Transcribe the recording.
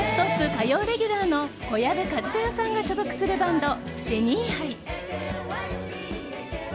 火曜日レギュラーの小籔千豊さんが所属するバンドジェニーハイ。